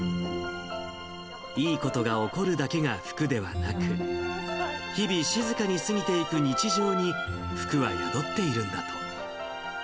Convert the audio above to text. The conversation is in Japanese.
いいことが起こるだけが福ではなく、日々、静かに過ぎていく日常に、福は宿っているんだと。